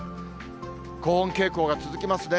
高温傾向が続きますね。